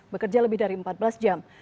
bekerja lebih dari empat belas jam